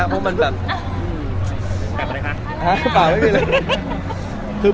อ๋อน้องมีหลายคน